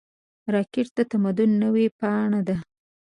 راکټ د تمدن نوې پاڼه ده